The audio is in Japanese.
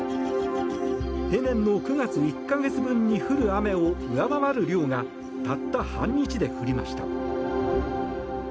平年の９月１か月分に降る雨を上回る量がたった半日で降りました。